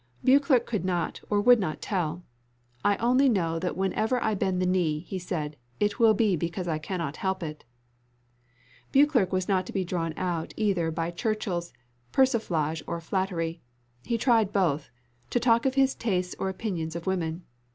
Beauclerc could not or would not tell "I only know that whenever I bend the knee," said he, "it will be because I cannot help it!" Beauclerc could not be drawn out either by Churchill's persiflage or flattery, and he tried both, to talk of his tastes or opinions of women.